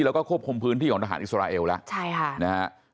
แล้วก็ควบคุมพื้นที่ของทหารอิสราเอลแล้วใช่ค่ะนะฮะ